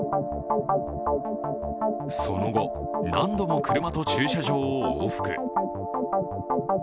その後、何度も車と駐車場を往復。